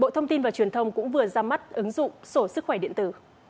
bộ thông tin và truyền thông cũng vừa ra mắt ứng dụng sổ sức khỏe điện tử